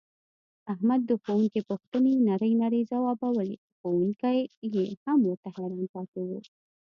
احمد د ښوونکي پوښتنې نرۍ نرۍ ځواوبولې ښوونکی یې هم ورته حیران پاتې و.